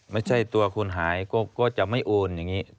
ไม่ใช่ตัวคนหายก็จะไม่โอนอย่างนี้